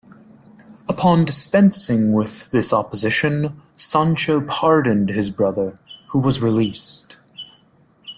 Upon dispensing with this opposition, Sancho pardoned his brother, who was released.